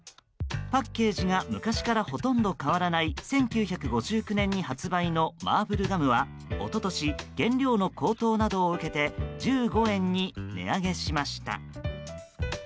パッケージが昔からほとんど変わらない１９５９年に発売のマーブルガムは一昨年、原料の高騰などを受けて１５円に値上げしました。